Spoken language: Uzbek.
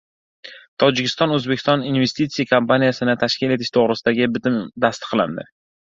Tojikiston-O‘zbekiston investisiya kompaniyasini tashkil etish to‘g‘risidagi Bitim tasdiqlandi